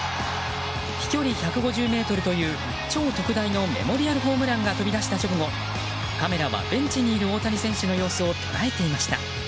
飛距離１５０ｍという超特大のメモリアル・ホームランが飛び出した直後カメラはベンチにいる大谷選手の様子を捉えていました。